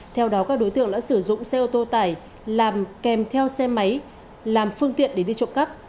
theo đó các đối tượng đã sử dụng xe ô tô tải làm kèm theo xe máy làm phương tiện để đi trộm cắp